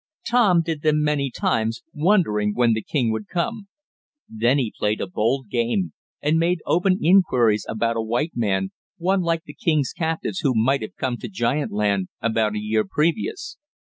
Tom did them many times, wondering when the king would come. Then he played a bold game, and made open inquiries about a white man, one like the king's captives, who might have come to giant land about a year previous.